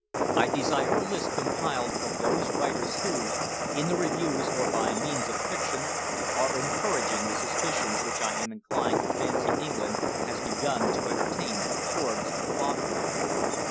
I desire a list compiled of those writers who, in the Reviews, or by means of fiction, are encouraging the suspicions which I am inclined to fancy England has begun to entertain towards the Fatherland.